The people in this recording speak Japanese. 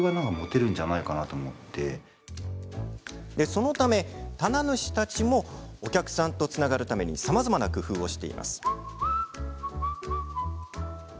そのため、棚主たちもお客さんとつながるためにさまざまな工夫をしています。